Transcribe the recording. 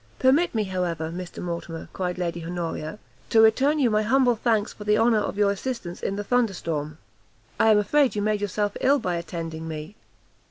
"Permit me however, Mr Mortimer," cried Lady Honoria, "to return you my humble thanks for the honour of your assistance in the thunder storm! I am afraid you made yourself ill by attending me!"